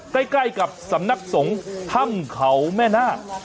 ใกล้กับสำนักสงฆ์ถ้ำเขาแม่นาค